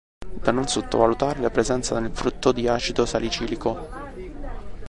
Da non sottovalutare la presenza, nel frutto, di acido salicilico.